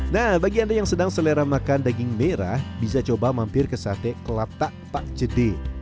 nah bagi anda yang sedang selera makan daging merah bisa coba mampir ke sate kelapak pak cede